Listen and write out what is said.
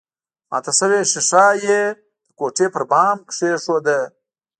ماته شوې ښيښه يې د کوټې پر بام کېښوده